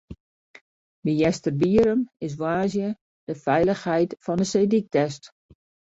By Easterbierrum is woansdei de feilichheid fan de seedyk test.